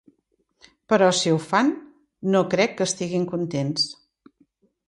Però si ho fan, no crec que estiguin contents.